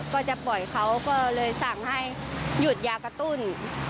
ก็จะปล่อยเขาก็เลยสั่งให้หยุดยากระตุ้น